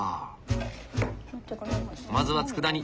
まずはつくだ煮。